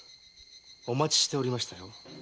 お待ちしておりました。